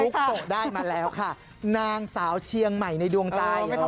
ตกได้มาแล้วค่ะนางสาวเชียงใหม่ในดวงใจ